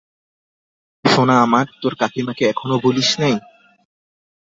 সোনা আমার, তোর কাকিমাকে এখনো ভুলিস নাই!